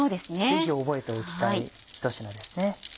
ぜひ覚えておきたいひと品ですね。